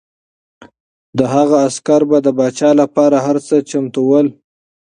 د هغه عسکر به د پاچا لپاره هر څه ته چمتو ول.